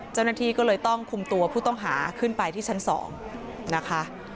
เจ้าหน้าที่ก็เลยต้องคุมตัวผู้ต้องหาขึ้นไปที่ชั้น๒นะคะ